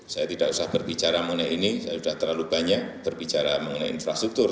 saya tidak usah berbicara mengenai ini saya sudah terlalu banyak berbicara mengenai infrastruktur